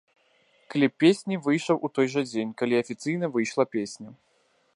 Кліп песні выйшаў у той жа дзень, калі афіцыйна выйшла песня.